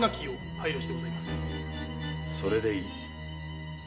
それでいい。